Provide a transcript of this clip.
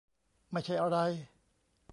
ไม่ใช่อะไร